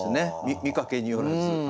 見かけによらず。